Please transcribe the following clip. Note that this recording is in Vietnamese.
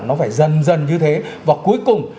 nó phải dần dần như thế và cuối cùng